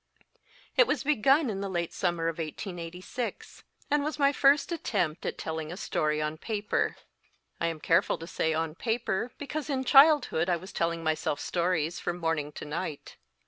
It was begun in the late summer of 1886, and was my first attempt at telling a story on paper. I am careful to say on paper, because in childhood I was telling myself stories from morning to night.